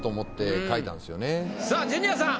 さあジュニアさん。